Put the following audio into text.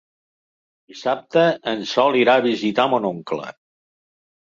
Dissabte en Sol irà a visitar mon oncle.